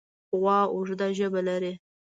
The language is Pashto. غوا اوږده ژبه لري.